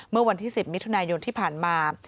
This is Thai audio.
เมื่อวันที่๑๐มิถุนายนที่ผ่านมา